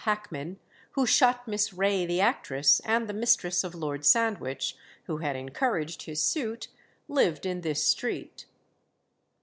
Hackman, who shot Miss Ray, the actress and the mistress of Lord Sandwich, who had encouraged his suit, lived in this street.